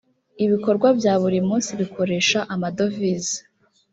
ibikorwa bya buri munsi bikoresha amadovize